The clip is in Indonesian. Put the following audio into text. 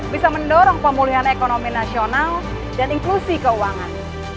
bisa mendorong pemulihan ekonomi nasional dan inklusi keuangan